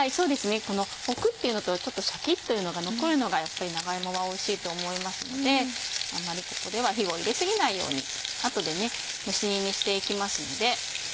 このホクっていうのとちょっとシャキっというのが残るのがやっぱり長芋はおいしいと思いますのであまりここでは火を入れ過ぎないように後で蒸し煮にしていきますので。